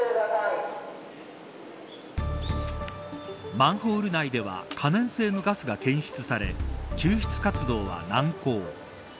マンホール内では可燃性のガスが検出され救出活動は難航。